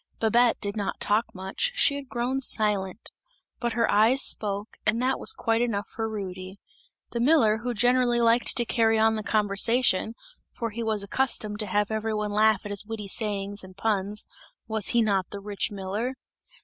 Babette did not talk much, she had grown silent; but her eyes spoke and that was quite enough for Rudy. The miller who generally liked to carry on the conversation for he was accustomed to have every one laugh at his witty sayings and puns was he not the rich miller?